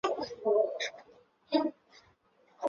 这是崔斯特从一个女巫妖的巢穴中夺得的。